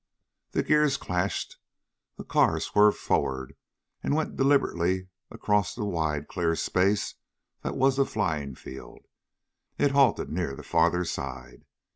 The gears clashed. The car swerved forward and went deliberately across the wide clear space that was the flying field. It halted near the farther side.